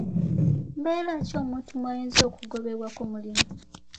Mbeera ki omuntu mw'ayinza okugobebwa ku mulimu?